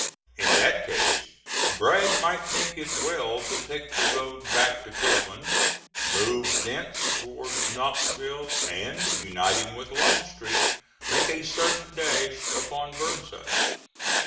In that case Bragg might think it well to take the road back to Cleveland, move thence towards Knoxville, and, uniting with Longstreet, make a sudden dash upon Burnside.